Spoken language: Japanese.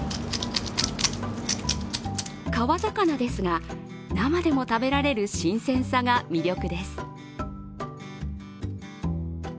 川魚ですが、生でも食べられる新鮮さが魅力です。